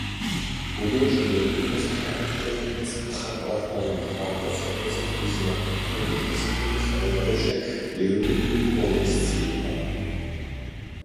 გუდიაშვილი ეკუთვნის ქართველ მხატვართა იმ თაობას, რომელსაც მიზნად ჰქონდა დასახული ხელოვნებაში ეროვნული ფორმის ძიება.